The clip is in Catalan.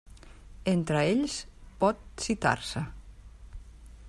Entre ells pot citar-se.